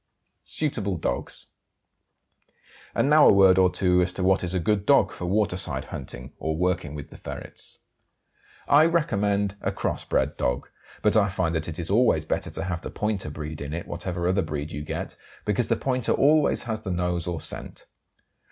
SUITABLE DOGS. And now a word or two as to what is a good dog for waterside hunting, or working with the ferrets. I recommend a cross bred dog, but I find that it is always better to have the pointer breed in it, whatever other breed you get, because the pointer always has the nose or scent.